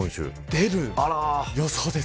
出る予想です。